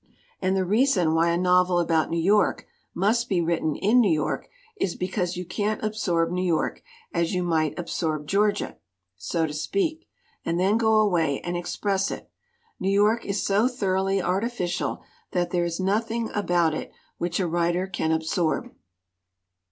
"And the reason why a novel about New York must be written in New York is because you can't absorb New York as you might absorb Georgia, so to speak, and then go away and express it. New York is so thoroughly artificial that there is nothing about it which a writer can absorb.